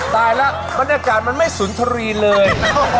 ตายแล้วบรรยากาศมันไม่สุนทรีย์เลย